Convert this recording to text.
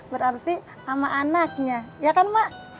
berarti sama anaknya ya kan mak